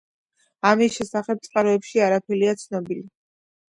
ამის შესახებ წყაროებში არაფერია ცნობილი.